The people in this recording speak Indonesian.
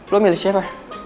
lo milih siapa